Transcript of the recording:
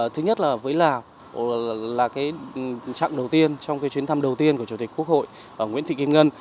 thứ nhất là với lào là trạng đầu tiên trong chuyến thăm đầu tiên của chủ tịch quốc hội nguyễn thị kim ngân